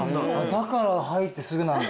だから入ってすぐなんだ。